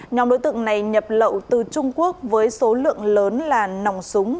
nhóm đối tượng này nhập lậu từ trung quốc với số lượng lớn là nòng súng